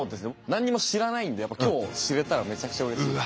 何にも知らないんでやっぱ今日知れたらめちゃくちゃうれしいです。